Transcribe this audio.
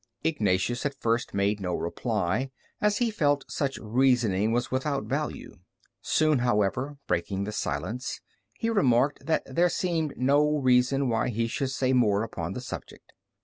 Ignatius at first made no reply, as he felt such reasoning was without value. Soon, however, breaking the silence, he remarked that there seemed no reason why he should say more upon the subject.